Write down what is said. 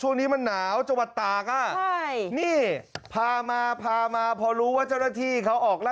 เจ็บปวดตรงที่มันช่วงนี้มันหนาวเจ้าวัตตาก็